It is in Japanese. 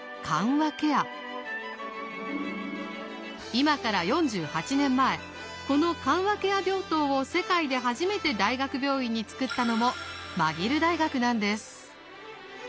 今から４８年前この緩和ケア病棟を世界で初めて大学病院に作ったのもマギル大学なんです。